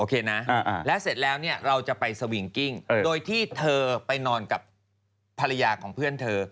แล้วเสร็จแล้วเนี่ยเราจะไปสวิงกิ้งโดยที่เธอไปนอนกับภรรยาของเพื่อนเธอ